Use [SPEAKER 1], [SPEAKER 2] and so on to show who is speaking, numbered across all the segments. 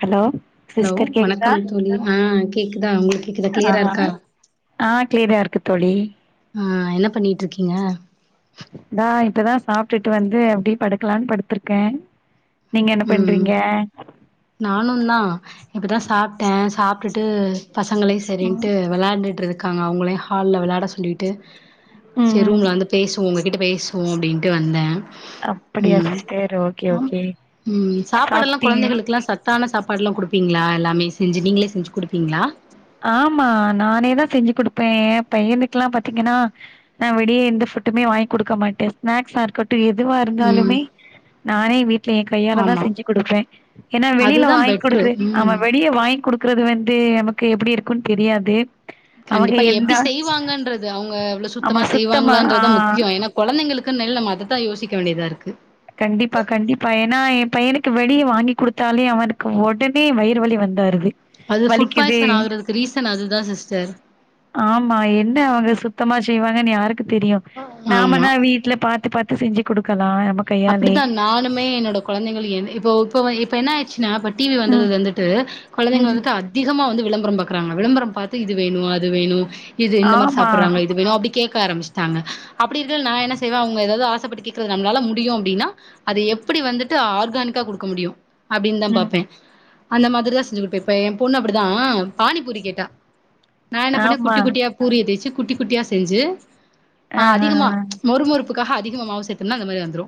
[SPEAKER 1] Hello
[SPEAKER 2] hello
[SPEAKER 1] sister கேக்குதா
[SPEAKER 2] வணக்கம் தோழி ஆஹ் கேக்குதா உங்களுக்கு கேக்குதா கிளியரா
[SPEAKER 1] ஆ
[SPEAKER 2] இருக்கா
[SPEAKER 1] ஆ கிளியரா இருக்கு தோழி
[SPEAKER 2] ஆ என்ன பண்ணிட்ருக்கீங்க
[SPEAKER 1] நா இப்பதா சாப்டுட்டு வந்து அப்டி படுக்கலான்னு படுத்துற்கே
[SPEAKER 2] ம் நானு தா இப்பதா சாப்டே சாப்டுட்டு பசங்கலயு
[SPEAKER 1] ம்
[SPEAKER 2] சரின்னுட்டு வெளாண்டுட்டு இருக் காங்க அவுங்களயு ஹால்ல வெளயாட சொல்லிட்டு
[SPEAKER 1] ம்
[SPEAKER 2] சேர்
[SPEAKER 1] ம்
[SPEAKER 2] ரூம்ல வந்து பேஸ் உங்ககிட்ட பேசுவோ அப்டின்ட்டு வந்த
[SPEAKER 1] அப்படியா சிஸ்டர் ஓகே ஓகே
[SPEAKER 2] ம் சாப்பாடெல்லா
[SPEAKER 1] சாப்ட்டீங்க
[SPEAKER 2] கொழந்தைகளுக்கு எல்லா சட் தானா சாப்பாடுலா குடுப்பீங்ளா எல்லாமே செஞ்சு நீங்களே செஞ்சு குடுப்பீங்ளா
[SPEAKER 1] ஆமா நானே தா செஞ்சு குடுப்ப பையனுக்கு எல்லா பாத்தீங்கன்னா நா வெளியே எந்த ஃபுட்டுமே வாங்கி் குடுக்க மாட்ட ஸ்நாக்ஸ்ஸா இருக்கட் எதுவா
[SPEAKER 2] ம்
[SPEAKER 1] இருந்தாலுமே நானே வீட்ல என் கையால தா
[SPEAKER 2] ஆமா
[SPEAKER 1] செஞ்சு குடுப்பே ஏனா வெளியில
[SPEAKER 2] அதுதான்
[SPEAKER 1] வாங்கி்
[SPEAKER 2] பெட்ரு
[SPEAKER 1] குடுக்குற
[SPEAKER 2] ம்
[SPEAKER 1] நாம வெளிய வாங்கி குடுக் க்றது வந்து நமக் கு எப்டி இருக்குன் தெரியாது அவங்க
[SPEAKER 2] கண்டிப்பா
[SPEAKER 1] எந்த
[SPEAKER 2] எப்டி செய்வாங்கன்றது அவ்ங்க அவ்ளோ
[SPEAKER 1] ஆமா
[SPEAKER 2] சுத்தமா
[SPEAKER 1] ஆ
[SPEAKER 2] செய்வாங்களான்றதுதா முக்யோ ஏனா கொழந்தைங்களுக்குன்னைல நம்ம அது தா யோசிக்க வேண்டியதா இருக்கு
[SPEAKER 1] கண்டிப்பா கண்டிப்பா ஏனா எ பையனுக்கு வெளிய வாங்கி குடுத்தாலே அவனுக்கு ஒடனே வயிறு வலி வந்தருது
[SPEAKER 2] அது ஃபுட் பாய்சன் ஆகுறதுக்கு ரீசன் அதுதா சிஸ்டர்
[SPEAKER 1] தமா செய்வாங்கன் யாருக் கு தெரியு
[SPEAKER 2] ஆமா
[SPEAKER 1] நாமனா வீட்ல பாத்து பாத்து செஞ்சு குடுக்கலா அம்
[SPEAKER 2] அப்டித்தா நானுமே என்னோட கொழந்தைகள் என் இப்போ போவா இப்ப என்ன ஆய்ர்ச்சு நா அப்ப டி வி
[SPEAKER 1] ம்
[SPEAKER 2] வந்ததுலருந்துட்டு கொழந்தைங்க
[SPEAKER 1] ம்
[SPEAKER 2] வந்துட்டு அதி திகமா வந்து விளம்பரம் பாக்குறாங்க விளம்பரம் பாத்து இது வேணு அது வேணு இது இந்த மாரி
[SPEAKER 1] ஆமா
[SPEAKER 2] சாப்புறாங்க இது வேணு அப்டி கேக் க்க ஆரம்மிச்டாங்க அப்டி இருக்கைல நா என்ன செய்வே அவ்ங்க எதாவ்து ஆசப்பட்டு கேக்ரது நம்ளால மு டியு அப்டினா அது எப்டி வந்துட்டு ஆர்கானிக்கா குடுக்க முடியு அப்டின் தா
[SPEAKER 1] ம்
[SPEAKER 2] பாப்பே அந்த மாதிரிதா செஞ்சு குடுப்பே இப்ப எ பொண்ணு அப்டிதா பானிப்பூரி கேட்டா நா என்ன பண்ணே
[SPEAKER 1] ஆமா
[SPEAKER 2] குட்டி குட்டியா பூரிய தேச்சு குட்டி குட்டியா செஞ்சு ஆஹ்
[SPEAKER 1] ஆஹா
[SPEAKER 2] அதிகமா மொறு மொறுப்புக்காக அதி திகமா மாவு சேத்தம்னா அந்த மாரி வந்துரு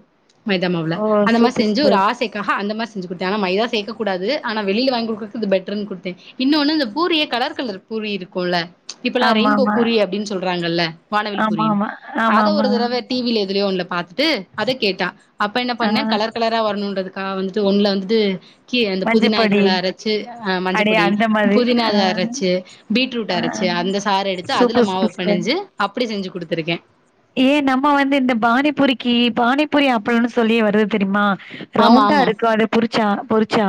[SPEAKER 2] மைத மாவுல
[SPEAKER 1] ஓ
[SPEAKER 2] அந்த மாரி
[SPEAKER 1] சூப்பர்
[SPEAKER 2] செஞ்சு ஒரு
[SPEAKER 1] சூப்பர்
[SPEAKER 2] ஆசைக்காக அந்த மார் செஞ்சு குடுத்தே ஆனா மைதா சேக்க கூடாது ஆனா வெளில வாங்கி குடுக்றதுக்கு இது பெட்ருன் குடுத்தே இன்னோன்னு இந்த பூரியே கலர் கலர் பூரி இருக்குல இப்பெல்லா ரெயின்போ
[SPEAKER 1] ஆமாமா
[SPEAKER 2] பூரி அப்டின் சொல்றாங்கல்ல வானவில் பூரினு
[SPEAKER 1] ஆமாமா
[SPEAKER 2] அத
[SPEAKER 1] ஆமாமா
[SPEAKER 2] ஒரு தடவ டி வி ல எதுலயோ ஒன்ல பாத்துட்டு அதக் கேட்டா அப்ப என்ன
[SPEAKER 1] ஆ
[SPEAKER 2] பண்ணே கலர் கலரா வரணுன்றது க்கா வந்துட்டு ஒன்ல வந்துட்டு கீர அந்த புதினா
[SPEAKER 1] மஞ்சப்பொடி
[SPEAKER 2] இதுகல அரச்சு ஆஹ்
[SPEAKER 1] அடே
[SPEAKER 2] மஞ்சப்பொடி
[SPEAKER 1] அந்த
[SPEAKER 2] ம்
[SPEAKER 1] மாரி ஆ
[SPEAKER 2] புதினாத அரச்சு பீட்ரூட்ட
[SPEAKER 1] ஆ
[SPEAKER 2] அரச்சு அந்த சார எடுத்து அதுல
[SPEAKER 1] சூப்பர்
[SPEAKER 2] மாவ
[SPEAKER 1] சூப்பர் சூப்பர்
[SPEAKER 2] பெணஞ்சு அப் ப்டி செஞ்சு குடுத்துருக்கே
[SPEAKER 1] ஏ நம்ம வந்து இந்த பானிபுரிக்கி பானிப்புரி அப்பளனு சொல்லியே வருது தெரிமா
[SPEAKER 2] ஆமா
[SPEAKER 1] ரவுண்டா
[SPEAKER 2] ஆமா
[SPEAKER 1] இருக்கு அத புறிச்சா பொறிச்சா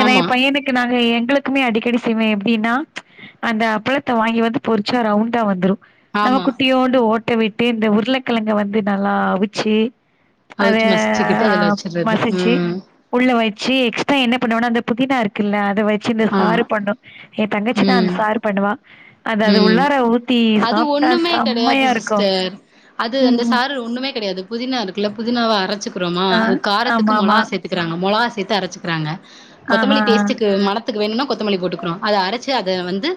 [SPEAKER 1] ஏனா
[SPEAKER 2] ஆமா
[SPEAKER 1] எ பையனுக்கு நாங்க எங் ங்களுக்குமே அடிக்கடி செய்வே எப்டின்னா அந்த அப்பளத்த வாங்கி வந்து பொறிச்சா ரவுண்டா வந்துரு நம்ம
[SPEAKER 2] ஆமா
[SPEAKER 1] குட்டியோண்டு ஓட் ட்ட விட்டு இந்த உருளக்கெழங்க வந்து நல்லா அவிச்சு அத
[SPEAKER 2] அவிச்சு மசிச்சுக்கிட்டு அதுல
[SPEAKER 1] ஆஹ்
[SPEAKER 2] வச்சர்றது
[SPEAKER 1] மசிச்சு
[SPEAKER 2] ம்
[SPEAKER 1] உள்ள வச்சு எக்ஸ்ட்ரா என்ன பண்ணோனா அந்த புதினா இருக் குல்ல அத வ சு இந்த
[SPEAKER 2] ஆமா
[SPEAKER 1] சாறு பண்ணு எ தங்கச்சி தா அந்த
[SPEAKER 2] ம்
[SPEAKER 1] சாறு பண்ணுவா அது அது
[SPEAKER 2] ம்
[SPEAKER 1] உள்ளார ஊத்தி சாப்ட்டா செம்மையா இருக்
[SPEAKER 2] சரி அது அந்த சாறு ஒண்ணுமே கெடையாது புதினா இருக்குல புதினாவா அரச்சு றோமா
[SPEAKER 1] ஆ
[SPEAKER 2] அது காரத்துக்கு
[SPEAKER 1] ஆமா ஆமா
[SPEAKER 2] மொளகா சேத்துக்குறாங்க மொளகாச் சே்த்து அரச்சுக்குறாங்க
[SPEAKER 1] ஆஹா
[SPEAKER 2] கொத்தமல்லி டேஸ்ட்டுக்கு மனத்துக்கு வேணும்னா கொத்தமல்லி போட்டுக்குறோ அத அரைச்சு அத வந்து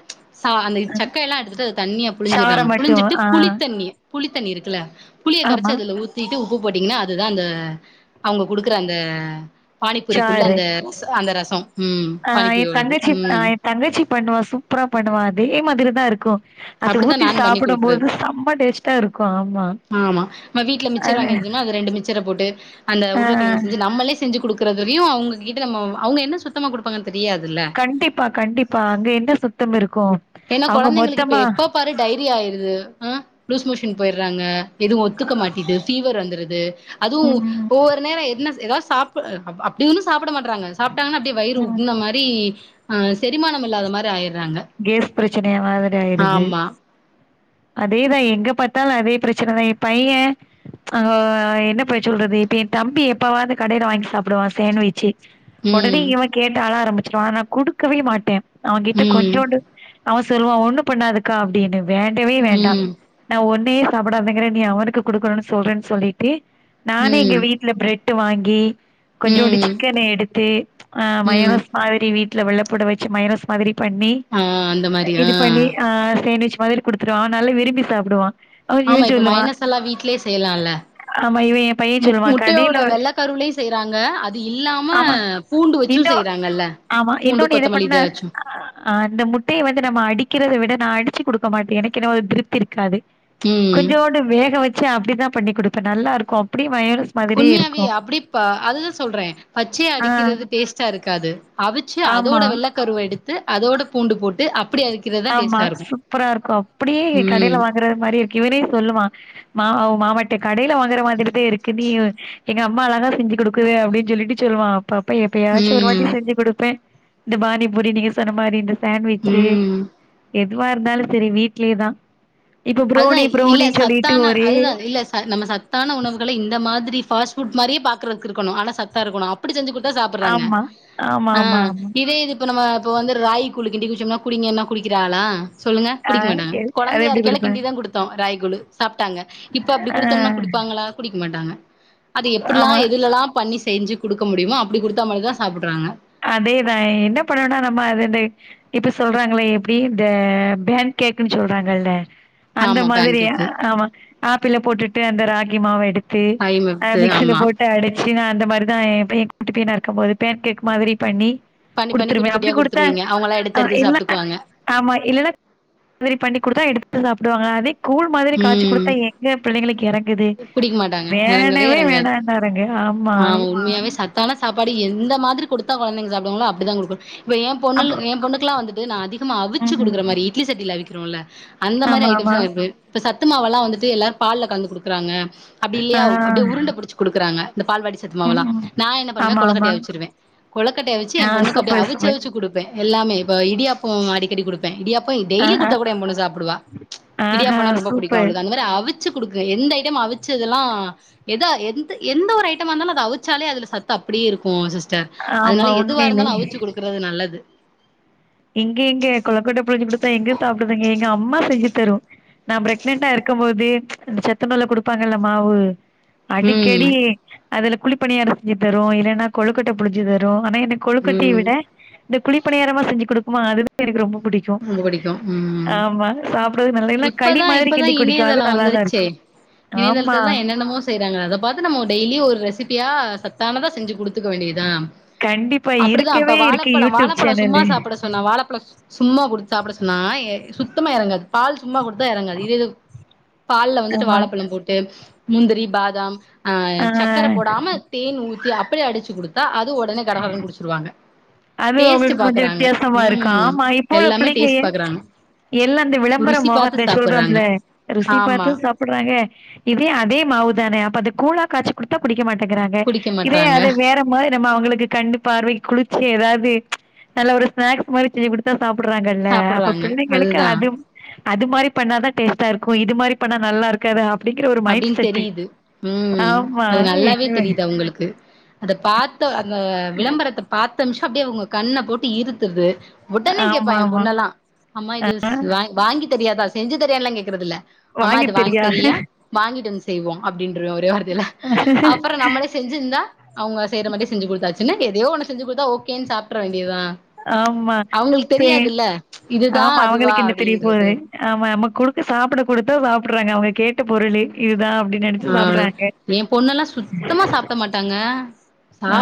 [SPEAKER 2] சா சக்கைய எல்லா எடுத்துட்டு அது தண்ணிய
[SPEAKER 1] சார
[SPEAKER 2] புழிஞ்சுறாங்க
[SPEAKER 1] மட்டு
[SPEAKER 2] புழிஞ்சிட்டு
[SPEAKER 1] ஆ
[SPEAKER 2] புளித்தண்ணிய புளித்தண்ணி இருக்குல புளிய
[SPEAKER 1] ஆமா
[SPEAKER 2] கரச்சு அதுல ஊத்திட்டு உ ப்பு போட்டீங்கன்னா அதுதா அந்த அவங்க குடுக்குற அந்த பானிப்பூரிக்குள்ள அந்த ச் அந்த ரச் சம்
[SPEAKER 1] ஆஹ் எ தங்கச்சி ஆஹ் எ தங்கச்சி பண்ணுவா சூப்பரா பண்ணுவா அ தே மாதிரிதா இருக்கு அது
[SPEAKER 2] அப்டித்தா
[SPEAKER 1] ஊத்தி
[SPEAKER 2] நான் பண்ணி
[SPEAKER 1] சாப்பிடும்
[SPEAKER 2] கொடுக்கறது
[SPEAKER 1] போது செம்ம டேஸ்ட்டா இருக்கு ஆமா
[SPEAKER 2] ஆமா நம்ம வீட்ல மிச்சர் வாங்கியிவெச்சோமா அது ரெண்டு மிச்சர போட்டு அந்த
[SPEAKER 1] ஆ
[SPEAKER 2] உருளக்கெழங்கு செஞ்சு நம்மளே செஞ்சு கொடுக்குறது தெரியு அவங்ககிட்ட நம்ம அவங்க என்ன சுத்தமா கொடுப்பாங்கன்
[SPEAKER 1] கண்டிப்பா கண்டிப்பா அங்க என்ன சுத்தம் இருக்கு
[SPEAKER 2] ஏன்னா
[SPEAKER 1] அவங்க
[SPEAKER 2] கொழந்தைங்களுக்கு இப்ப
[SPEAKER 1] மொத்தமா
[SPEAKER 2] எப்ப பாரு டயரி ஆயிருது ஆஹ் லூஸ் மோஷன் போயிடுறாங்க எதுவு ஒத்துக்க மாட்டேது ஃபீவர் வந்துரு து அதுவு
[SPEAKER 1] ம் ம்
[SPEAKER 2] ஒவ்வொரு நேர என்ன ஏதாவது சாப் அப் அப்டினு சாப்ட மாட்றாங்க சாப் ட்டாங்கனா அப்டியே வயிற
[SPEAKER 1] ம்
[SPEAKER 2] உப்ன மாரி ஆ சேரிமானம் இல்லாத மாரி ஆயிரு
[SPEAKER 1] கேஸ் பிர சின்னயா மாதுரி ஆயிருது
[SPEAKER 2] ஆமா
[SPEAKER 1] அதேதா எங்க பாத்தாலு அதே பிரச்சனதா எ பைய அங்க என்ன போய் சொல்றது இப்ப எ தம்பி எப்பவாது கடைல வாங்கி சாப்புடுவா சேண்விச்சி ஒடனே
[SPEAKER 2] ம்
[SPEAKER 1] இவ கேட்டு அழாரம்பு ஸ்டானா குடுக்கவே மாட்டே அவ
[SPEAKER 2] ம்
[SPEAKER 1] கொஞ்சோண்டு அவஸ் சொல்வா ஒன்னு பண்ணாதுக்கா அப்டினு வேண்டவே வேண்டா
[SPEAKER 2] ம்
[SPEAKER 1] நா ஒன் நீயே சாப்புடாதுங்குற நீ அவனுக்கு குடுக்குணுனு சொல்ரேன் சொல்லிட்டு நானே எங்க
[SPEAKER 2] ம்
[SPEAKER 1] வீட்ல ப்ரெட் டு வாங்கி கொஞ்சோண்டு
[SPEAKER 2] ம்
[SPEAKER 1] சிக்கன எடுத்து அ
[SPEAKER 2] ம்
[SPEAKER 1] மயோனஸ் மாதுரி வீட் ட்ல வெள்ளப்பொட வச்சு மயோனஸ் மாதுரி பண்ணி
[SPEAKER 2] ஆ அந்த மாரி
[SPEAKER 1] இது
[SPEAKER 2] ஆ
[SPEAKER 1] பண்ணி அ சேண்விச் மாதுரி குடுத்துருவ ஆ நல்ல விரும்பி சாப்புடுவா
[SPEAKER 2] ஆமா இப்ப மாயோனஸ் எல்லா வீட்லே செயலால்ல
[SPEAKER 1] ஆமா இவ எ பைய
[SPEAKER 2] மு
[SPEAKER 1] சொல்லுவா கடைல
[SPEAKER 2] முட்டையோட வெள்ள கருவ்லியு செய்றாங்க அது இல்லாம
[SPEAKER 1] ஆமா
[SPEAKER 2] பூண்டு வச்சு
[SPEAKER 1] இன்னு
[SPEAKER 2] செய்றாங்கல்ல பூண்டு கொத்தமல்லி இத வச்சு
[SPEAKER 1] அ இந்த முட்டைய வந்து நம்ம அடிக்கரத விட நா அடுச்சு குடுக்க மாட் எனக் என்னவோ அது திருப்தி இருக்காது
[SPEAKER 2] ம்
[SPEAKER 1] கொஞ்சோண்டு வேக வச்ச அப் ப்டிதா பண்ணி குடுப்ப நல்லாருக்கு அப்டியே மயோனஸ் மாதிரியே
[SPEAKER 2] உண்மியாவி
[SPEAKER 1] இருக்கு
[SPEAKER 2] அப்டிப்ப அதுதா சொல்றே பச்சியா
[SPEAKER 1] ஆ
[SPEAKER 2] அடிக்கிறது பேஸ்ட்டா இருக்காது அவிச்சு அதோட
[SPEAKER 1] ஆமா
[SPEAKER 2] வெள்ள கருவ எடுத்து அதோடுப் பூண்டு போட்டு அப்
[SPEAKER 1] ஆம்மா சூப்பரா இருக்கு அப்புடியே கடைல
[SPEAKER 2] ம்
[SPEAKER 1] வாங்குகற மாரி இருக்கு இவனே சொல்லுவா மாவ் மாவட் கடைல வாங்குற மாதிரிதே இருக்கு நீவு எங் அம்மா அழகா செஞ்சு குடுக்குதே அப்டின் சொல்லிட்டு சொல்வா பாப்ப எப்பயாச்சு ஒரு வாட்டி
[SPEAKER 2] ம்
[SPEAKER 1] செஞ்சு குடுப்பே இந்த பாணிபூரி நீங்க சொன்ன மாரி இந்து சேண்விச்சி
[SPEAKER 2] ம்
[SPEAKER 1] எதுவா இருந்தாலு செரி வீட்லே தா
[SPEAKER 2] அதுதா இல்ல சத்தான அதுதா இல்ல ச நம்ம சத்தான உணவுகள இந்த மாத்ரி ஃபாஸ்புட் மாரியே பாக்றக்கு இருக்கனு ஆன சத்த இருக்குனு அப்புடி செஞ்சி குடுத் த சாப்புற்றாங்க
[SPEAKER 1] ஆமா. ஆமா
[SPEAKER 2] அ
[SPEAKER 1] ஆமா ஆமா.
[SPEAKER 2] இதே இது இப்ப நம இப்ப வந்து ராயி கூழுக்கிண்டி குச்சம்னா குடிங்கன்னா குடிக்கிறாகள சொல்லுங்க
[SPEAKER 1] ஆ
[SPEAKER 2] குடிக்க மாட்டாங்க
[SPEAKER 1] எ அது
[SPEAKER 2] கொழந்தையா
[SPEAKER 1] எப்படி
[SPEAKER 2] இருக்கயில
[SPEAKER 1] குடுப்பேன்.
[SPEAKER 2] கிண்டி தா குடுத்தோ ராய் [unintelligible] சாப்ட்டாங்க இப்ப அப்டி
[SPEAKER 1] ஆ
[SPEAKER 2] குடுத்தம்னா குடிப்பாங்களா குடிக்க மாட்டாங்க அது எப்பிட்லா
[SPEAKER 1] ஆமா.
[SPEAKER 2] எதுலல்லா பண்ணி செஞ்சு குடுக்க முடியுமா அப்படி குடுத்த மட்டுந்தா சாப்புட்றாங்க
[SPEAKER 1] அதே தா என்ன பண்ணனுனா நம்ம அது வந்து இப்ப சொல்றாங்கல்ல எப்டி இந்த பேன் கேக்குன் சொல்றாங்கல்ல அந்த
[SPEAKER 2] ஆமா பேன்
[SPEAKER 1] மாதிரி அ,
[SPEAKER 2] கேக்கு
[SPEAKER 1] ஆமா ஆப்பிள போட்டுட்டு அந்த ராகி மாவ எடுத் து
[SPEAKER 2] ராகி
[SPEAKER 1] அ,
[SPEAKER 2] மத்து
[SPEAKER 1] மிக்சில
[SPEAKER 2] ஆமா
[SPEAKER 1] போட்டு அடிச் ஏனா அந்த மாரி தா ஏ பைய குட்டி பையனா இருக்கும் போது பேன் கேக்கு மாதிரி பண்ணி
[SPEAKER 2] பண்ணி பண்ணி
[SPEAKER 1] குடுத்துருவே
[SPEAKER 2] குட்டி
[SPEAKER 1] அப்படி
[SPEAKER 2] குட்டியா
[SPEAKER 1] குடுத்த
[SPEAKER 2] குடுத்துருவீங்க அவங்களா
[SPEAKER 1] ஆ,
[SPEAKER 2] எடுத்து எடுத்து
[SPEAKER 1] இல்ல
[SPEAKER 2] சாப்ட்டுக்குவாங்க
[SPEAKER 1] ஆமா இல்லைன்னா மாதிரி பண்ணி கொடுத்தா எடுத்து சாப் [unintelligible] கூழ் மாரி காச்சி
[SPEAKER 2] ம்
[SPEAKER 1] குடுத்தா எங்க பிள்ளைங்களுக்கு எறங்குது
[SPEAKER 2] குடிக்க மாட்டாங்க எறங்கவே
[SPEAKER 1] வேணவே
[SPEAKER 2] எறங்காது
[SPEAKER 1] வேணானானுங்க ஆமா
[SPEAKER 2] ஆ உண்மையாவே
[SPEAKER 1] [unintelligible]
[SPEAKER 2] சத்தான சாப்பாடு எந்த மாதிரி குடுத்தா கொழந்தைங்க சாப்டுவாங்ளோ அப்டி தா குடுக்கணு இப்ப ஏ பொண்ணுல்
[SPEAKER 1] அப்ப
[SPEAKER 2] ஏ பொண்ணுக்கெல்லா வந்துட்டு நா அதிகமா அவிச்சு குடுக்கற
[SPEAKER 1] ம்.
[SPEAKER 2] மாரி இட்லி சட்டில அவிக் கிறோல்ல அந்த மாரி
[SPEAKER 1] ஆமா, ஆமா.
[SPEAKER 2] ஐட்டம்ஸ்ல்லா வெப்பே சத்து மாவெல்லா வந்துட்டு எல்லார் பால்ல கலந்து குடுக்கறாங்க அப்டில்லயா
[SPEAKER 1] ஆ.
[SPEAKER 2] அப்படியே உருண்ட புடிச்சு குடுக்கறாங்க இந்த பால்வாடி சத்து மாவு
[SPEAKER 1] ம்
[SPEAKER 2] எல்லா
[SPEAKER 1] ம்
[SPEAKER 2] நா என்ன பண்ணுவே
[SPEAKER 1] ஆமா ஆமா
[SPEAKER 2] கொழக்கட்டயா அவிச்சிருவே கொழக்கட்ட அவிச்சு
[SPEAKER 1] ஆ
[SPEAKER 2] எம்பொண்ணுக்கு அப்படியேய்
[SPEAKER 1] சூப்பர்
[SPEAKER 2] அவிச்சு
[SPEAKER 1] சூப்பர்
[SPEAKER 2] அவிச்சு குடுப்பே எல்லாமே இப்போ இடியாப் போ அடிக்கடி குடுப்பே இடியப் போ
[SPEAKER 1] ஆ
[SPEAKER 2] டெய்லி
[SPEAKER 1] ஆ
[SPEAKER 2] குடுத்த கூட எம்பொண்ணு சாப்புடுவா இடியாப்
[SPEAKER 1] ஆஹா
[SPEAKER 2] போனா ரொம்ப புடிக்கு
[SPEAKER 1] சூப்பர்
[SPEAKER 2] அவளுக்கு அந்த மாரி அவிச்சு குடுக்கு எந்த ஐட்டம் அவிச்சதெல்லா எதா எந்து எந்த ஒரு ஐட்டமாருந்தாலு அத அவிச்சாலே அதுல சத்து அப்டியே இருக்கு சிஸ் டர் அதனால
[SPEAKER 1] ஆமா
[SPEAKER 2] எதுவா
[SPEAKER 1] உண்மையிலே
[SPEAKER 2] இருந்தாலு அவிச்சு குடுக்கறது நல்லது
[SPEAKER 1] இங்க எங்க எங்கம்மா செஞ்சு தரு நா ப்ரக்னென்டா இருக்கும்போதே அந்த சத்துணவுல குடுப்பாங்கல்ல மாவு அடிக்கடி
[SPEAKER 2] ம்
[SPEAKER 1] அதுல குழிப்பணியாரோ செஞ்சு தரு இல்லைனா கொழுக்கட்ட புடிச்சு தரு ஆனா கொழுக்கட்டய
[SPEAKER 2] ம்
[SPEAKER 1] விட இந்த குழி பணியாரமா செஞ்சு குடு ஆமா அது தா எனக்கு ரொம்ப புடிக்கு
[SPEAKER 2] ம்ப புடிக்கு உம்
[SPEAKER 1] ஆமா சாப்டறது நல்லா இல்ல
[SPEAKER 2] இப்ப
[SPEAKER 1] களி
[SPEAKER 2] தா
[SPEAKER 1] மாதிரி
[SPEAKER 2] இப்ப தா
[SPEAKER 1] கிண்டி குடிக்கு அது
[SPEAKER 2] இணையதளோ
[SPEAKER 1] நல்லாதா
[SPEAKER 2] வந்துருச்சே
[SPEAKER 1] இருக்கு
[SPEAKER 2] இணையதளத்துல
[SPEAKER 1] ஆமா
[SPEAKER 2] தா என்னென்னமோ செய்யறாங்க அத பாத்து நம்மோ டெய்லியு ஒரு ரெசிப் பியா சத்தானதா செஞ்சு குடுத்துக்க வேண்டியதா
[SPEAKER 1] கண்டிப்பா
[SPEAKER 2] அப்டிதா அப்ப
[SPEAKER 1] இருக்கவே இருக்கு
[SPEAKER 2] வாழப்பழோ
[SPEAKER 1] யூடியூப்
[SPEAKER 2] வாழப்பழோ சும்மா
[SPEAKER 1] சேனலு.
[SPEAKER 2] சாப்பிட சொன்னா வாழப்பழோ சும்மா குடுத் சாப்ட சொன்னா ஏ சுத்தமா எறங்காது பால் சும்மா கொடுத்தா எறங்காது இது இது பால்ல வந்துட்டு
[SPEAKER 1] ஆமா.
[SPEAKER 2] வாழப்பழம் போட்டு முந்திரி பாதாம் ஆஹ
[SPEAKER 1] ஆ
[SPEAKER 2] சக்கர போடாம தேன் ஊ தந்தி அப்படியே அடிச்சு குடுத்தா அ து உடனே கடகடனு குடிச்சுருவாங்க
[SPEAKER 1] அது
[SPEAKER 2] டேஸ்ட் பாக்குறாங்க உம்
[SPEAKER 1] போல பிள்ளைங்க ப்ச் எல்லா அந்த விளம்பரோ
[SPEAKER 2] ருசி
[SPEAKER 1] மோகோ
[SPEAKER 2] பாத்து சாப்புட்றாங்க
[SPEAKER 1] சொல்றோம்ல ருசி
[SPEAKER 2] ஆமா
[SPEAKER 1] பாத்து சாப்டு றாங்க இதே அதே மாவுதானே அப்ப அது கூழா காச்சி குடுத்தா குடிக்க மாட் கெக்குறாங்க
[SPEAKER 2] குடிக்க
[SPEAKER 1] இதே
[SPEAKER 2] மாட்றாங்க
[SPEAKER 1] அது வேற மாரி நம்ம அவங்களுக் கு கண்ணு பார்வை குளிச்சியா எதாவது ச்சு நல்லா ஒரு ஸ்நாக்ஸ் மாரி செஞ்சு குடுத்தா சாப்டுறாங்கல்ல அப்ப
[SPEAKER 2] சாப்புட்றாங்க
[SPEAKER 1] பிள்ளைங்களுக்கு
[SPEAKER 2] அதுதா
[SPEAKER 1] அது அது மாரி பண்ண தா டேஸ்டா இருக்கு இதுமாறி பண்ணா நல்லா இருக்காது அப்
[SPEAKER 2] அப்டின்னு தெரியுது உம்
[SPEAKER 1] ஆமா.
[SPEAKER 2] அது நல்லாவே
[SPEAKER 1] இது
[SPEAKER 2] தெரியுது அவுங்களுக்கு அத பாத்த அந் த விளம்பரத்த பாத் த நிம்ஷோ அப்படியே அவுங்க கண்ண போட்டு இருத்துறது ஒடனே கேட்பா
[SPEAKER 1] ஆமா
[SPEAKER 2] என்
[SPEAKER 1] ஆமா
[SPEAKER 2] பொண்ணு எல்லா அம்மா இதுஸ் வாங் வாங்கி தெரியாதா செஞ்சு தரியானல்லா கேக்குறதில்ல அம்மா
[SPEAKER 1] வாங்கி
[SPEAKER 2] இது
[SPEAKER 1] தெரியா
[SPEAKER 2] தரியா வாங்கிட்டு வந்து செய்வோ அப்படின்ருவ ஒரே வார் தைல அப்புறோ நம்மளே செஞ்சு இந்தா அவுங்க செய்யர மாரியே செஞ்சு குடுத்தாச் சுனா எதேயோ ஒன்னு செஞ்சு குடுத்தா ஓகேன்னு சாப்பிட்டற வேண்டியதா
[SPEAKER 1] ஆமா
[SPEAKER 2] அவுங்களுக்கு
[SPEAKER 1] சேம்
[SPEAKER 2] தெரியாதுல்ல இதுதா
[SPEAKER 1] ஆமா
[SPEAKER 2] அதுவா
[SPEAKER 1] அவுங்களுக்கு என்ன தெரிய போது
[SPEAKER 2] அப்டின்றது
[SPEAKER 1] ஆமா நமக் குடுக்க சாப்புட குடுத்தா சாப்டுறாங்க அவுங்க கேட்ட பொருளே இதுதா
[SPEAKER 2] ஆஹ எ பொண்ணெல்லா சுத்தமா சாப்பிட மாட்டாங்க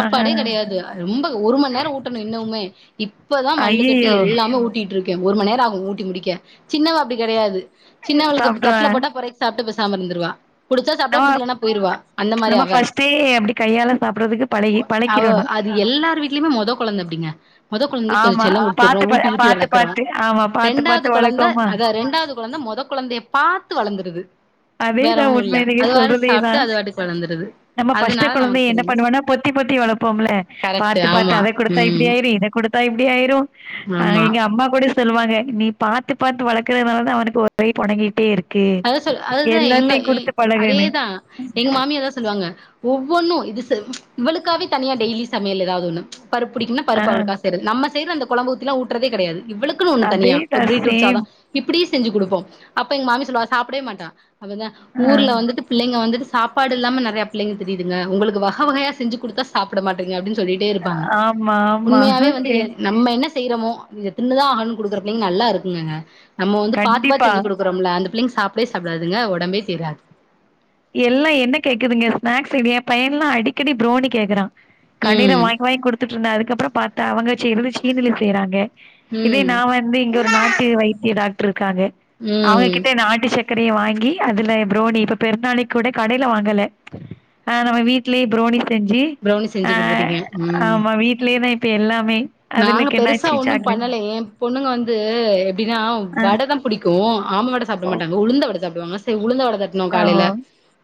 [SPEAKER 1] ஆஹா
[SPEAKER 2] கெடையாது அ ரொம்ப து ஒரு மணி நேரோ ஊட்டணு இன்னுமே இப்பதா மல்லு கட்டி
[SPEAKER 1] ஐயையோ
[SPEAKER 2] எல்லாமே ஊட்டிட்டு இருக் க்கே ஒரு மண் நேரமாகு ஊட்டி முடிக்க சின்னவ அப்டி கெடையாது சின்னவளுக்கு இப்டி
[SPEAKER 1] சாப்ட்ருவே
[SPEAKER 2] தட்டுல போட்டா பொறைக் சாப்புட்டு பே சாமயிருந்துருவா பிடிச்சா சப்பிட
[SPEAKER 1] நம்ம
[SPEAKER 2] பிடிக்கலனா போயிருவா அந்த மாரி
[SPEAKER 1] நம்ம
[SPEAKER 2] அவ
[SPEAKER 1] ஃபர்ஸ்ட்டே அப்படி கையால சாப்பிடுறதுக்கு பழகி
[SPEAKER 2] அவ
[SPEAKER 1] பழக்கிறணும்
[SPEAKER 2] அது எல்லார் வீட்லயுமே மொத கொழந்த அப்பிடிங்க மொதல் கொழந்திகுகு கொஞ்சு
[SPEAKER 1] ஆமா
[SPEAKER 2] செல்ல
[SPEAKER 1] பாத்து
[SPEAKER 2] ஊத்துடுறோம்
[SPEAKER 1] பா
[SPEAKER 2] ஊட்டி ஊட்டி
[SPEAKER 1] பாத்து
[SPEAKER 2] வளக்குறோ
[SPEAKER 1] பாத்து ஆமா பாத்து
[SPEAKER 2] ரெண்டாவது
[SPEAKER 1] பாத்து
[SPEAKER 2] கொழந்த
[SPEAKER 1] வழக்கோமா
[SPEAKER 2] அத ரெண்டாவது கொழந்த மொத கொழந்தய பாத் த்து வளந்துருது
[SPEAKER 1] அதேதா உண்ம நீங்க
[SPEAKER 2] அது வாட்டுக்கு
[SPEAKER 1] சொல்றதேதா
[SPEAKER 2] சாப்ட்டு அது வாட்டுக்கு வளந்துருது
[SPEAKER 1] நம்ம பஸ்ட்டு
[SPEAKER 2] அதனால நமக்கு
[SPEAKER 1] கொழந்திய என்ன
[SPEAKER 2] தெரியல
[SPEAKER 1] பண்ணுவனா பொத்தி பொத்தி வளப்போம்முல்ல
[SPEAKER 2] கரெக்ட்
[SPEAKER 1] பாத்து பாத்து
[SPEAKER 2] ஆமா
[SPEAKER 1] அத கொடுத்தா இப்பிடி
[SPEAKER 2] ம்
[SPEAKER 1] ஆயிரு இத குடுத் தா எப்பிடி ஆயிரு அஹ்
[SPEAKER 2] ஆமா
[SPEAKER 1] எங்க அம்மா கூட சொல்லுவாங்க நீ பாத்து பாத்து வளக்குறதுனால தா அவனுக்கு ஒரு [unintelligible] கொடனிங்கிட்டே இருக்
[SPEAKER 2] அத சொல் அ [unintelligible] த்தா எங்க ஏய்
[SPEAKER 1] பழகுன்னு."
[SPEAKER 2] அதேதா எங்க மாமியா அதா சொல்லுவாங்க ஒவ்வொன்னு இது செவ் இவ்ளுக்காவே தனியா டெய்லி சமையல் ஏதாவுது ஒண்ணு பருப் புடிக்குனா
[SPEAKER 1] ஆ
[SPEAKER 2] பருப்பு அவுளுக்கா செய்ரது நம் செய்ர அந்த கொழம்பு ஊத்தி ஊட்ரதே கெடையாது இவ்வுளுக்குன்னு ஒன் தனியா ஒரு
[SPEAKER 1] அதேதான்
[SPEAKER 2] பீட்ரூட் சாதோ
[SPEAKER 1] சேம்.
[SPEAKER 2] இப்பிடி செஞ்சு குடுப்போ அப்ப எங்க மாமி சொல்லுவா சாப்புடே மாட்டா அவுந்தா
[SPEAKER 1] ஆ
[SPEAKER 2] ஊர்ல வந்துட்டு பிள்ளைங்க வந்துட் சாப்படு இல்லாம நெறைய பிள்ளைங்க தெரியிதுங்க உளுக்கு வக வகைய செஞ்சு குடுத்தா சாப்பட மாட்டறீங்க அப்டின் சொல்லிட்டே இருப்பாங்க
[SPEAKER 1] ஆமா, ஆமா.
[SPEAKER 2] உண்மையாவே வந்து எ நம்ம என்னஸ் செய்யிறமோ இத தின்னுதா ஆகன்னு குடுக்குற பிள்ளைங் நல்லா இருக்குங்குங்க நம்ம வந்து பாத்து பாத்து
[SPEAKER 1] கண்டிப்பா.
[SPEAKER 2] செஞ்சு குடுக்குறோமுல்ல அந்து பிள்ளைங் சாப்டவே சாப்டாதுங்க ஒடம்பே தீராது
[SPEAKER 1] எல்லா என்ன கேக்குதுங்க ஸ்நாக்ஸ் ஏ பையன்ல்லா அடிக்கடி ஃப்ரோனி கேக்குறா கண்ணீர
[SPEAKER 2] ம்
[SPEAKER 1] வாங்கி வாங்கி குடுத்துட்டு இருந்தே அதுக்கப்புறோ பாத் த்தா அவுங்க செய்வது சீனில செய்யிறாங்க இதே
[SPEAKER 2] ம்
[SPEAKER 1] நா வந்து இங்கு ஒரு நாட்டு வைத்திய டாக் க்காங்கே
[SPEAKER 2] ம்
[SPEAKER 1] அவுங்ககிட்ட நாட்டுச்சத் கெடையு வாங்கி அதுல ஃப்ரோனி இப்ப பெரு நா அன்னை கூட கடயில வாங்குல ஹ நம்ம வீட்லியே ஃப்ரோனிஸ் செஞ்சு
[SPEAKER 2] ப்ரௌனி செஞ்சு
[SPEAKER 1] ஆஹ்
[SPEAKER 2] குடுத்துட்டீங்க ம்
[SPEAKER 1] ஆமா வீட்லையே நா இப் இப்ப எல்லாமே அதுல
[SPEAKER 2] நாங்க பெருசா
[SPEAKER 1] கெண்ணாச்சி
[SPEAKER 2] ஒண்ணும்
[SPEAKER 1] சாக்லேட்
[SPEAKER 2] பண்ணல ஏன் பொண்ணுங்க வந்து அப்டினா வட தான் புடிக்கு ஆமவடை சாப்ட மாட்டங்க உளுந்த வ [unintelligible] சாப்டுவாங்க செரி உளுந்தவட தட்னோ
[SPEAKER 1] ஆ ஓ
[SPEAKER 2] காலைல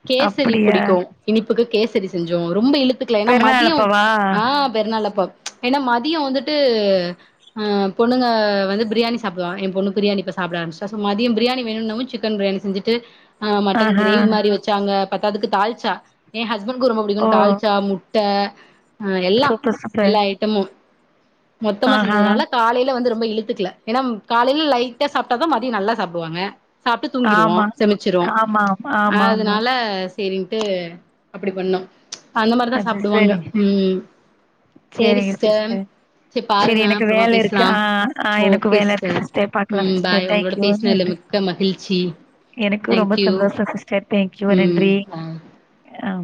[SPEAKER 2] கேசரி
[SPEAKER 1] அப்படியா
[SPEAKER 2] புடிக்கு இனிப்புக்கு கேசரி செஞ்சோ ரொம்ப இழுத் த்துக்கல ஏனா
[SPEAKER 1] பெருநாள்
[SPEAKER 2] மதியோ
[SPEAKER 1] அப்பவா
[SPEAKER 2] ஆஹ் பெருநாளப்ப ஏனா மத் தியோ வந்துட்டு ஆஹ் பொண்ணுங்க வந்து பிரியாணி சாப்பிடுவா என் பொண்ணு பிரியாணி இப்ப சாப்பிட ஆரம்பிச்டா சோ மதியம் பிரியாணி வேணுன்னவு சிக்கன் பிரியாணி செஞ்சுட்டு ஆஹ் மட்டன்
[SPEAKER 1] ஆஹா
[SPEAKER 2] க்ரேவி மாரி வச்சாங்க பத்தாதுக்கு தாழ்ச்சா என் ஹஸ் ஹஸ்பண்ட்கு
[SPEAKER 1] ஓ
[SPEAKER 2] ரொம்பிடிக்குன் தாழ்ச்சா முட் ட ஆஹ் எல்லா
[SPEAKER 1] சூப்பர் சூப்பர்
[SPEAKER 2] எல்லா ஐட்டமு மொத்தமா
[SPEAKER 1] ஆஹா
[SPEAKER 2] செஞ்சதுனால காலைல வந்து ரொம்ப இழுத்துக்கல ஏனாம் காலைல லைட்டா சாப்டாதா மதியோ நல்லா சாப்டுவாங்க சாப்ட்டு தூங்கிருவோ
[SPEAKER 1] ஆமா.
[SPEAKER 2] செமிச்சிரு
[SPEAKER 1] ஆமா, ஆமா, ஆமா.
[SPEAKER 2] அதனால சேரின்ட்டு அப்படி பண்ணோ அந்த மாரிதா
[SPEAKER 1] அது
[SPEAKER 2] சாப்பிடுவாங்க
[SPEAKER 1] சரிங்க.
[SPEAKER 2] உம் சேரி சி்ஸ்டர்
[SPEAKER 1] சேரி எனக்கு வேல இருக்கு ஆஹ் ஆஹ் அ எனக்கு வேல இருக்கு சிஸ்டர் பாக்கலா
[SPEAKER 2] ம்
[SPEAKER 1] சிஸ்டர்
[SPEAKER 2] பாய் உங்களோட
[SPEAKER 1] தேங்க்யூ
[SPEAKER 2] பேசினதுல
[SPEAKER 1] நன்றி
[SPEAKER 2] மிக்க மகிழ்ச்சி
[SPEAKER 1] எனக்கு ரொம்ப
[SPEAKER 2] தேங்க்யூ
[SPEAKER 1] சந்தோஷ சிஸ்டர் தேங்க்யூ
[SPEAKER 2] ம்
[SPEAKER 1] நன்றி
[SPEAKER 2] பாய்
[SPEAKER 1] ஆம்